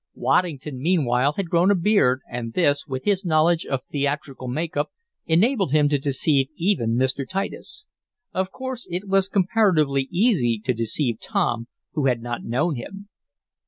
Waddington, meanwhile, had grown a beard and this, with his knowledge of theatrical makeup, enabled him to deceive even Mr. Titus. Of course it was comparatively easy to deceive Tom, who had not known him.